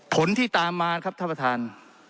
ผลที่ตามมาครับท่านประธาน